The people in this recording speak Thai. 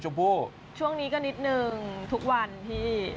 ผู้ช่วงนี้ก็นิดนึงทุกวันพี่